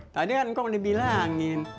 tadi kan engkau udah bilangin